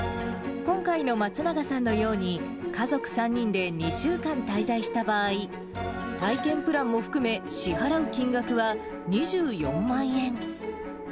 今回の松永さんのように、家族３人で２週間滞在した場合、体験プランも含め、支払う金額は２４万円。